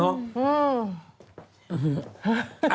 เนาะ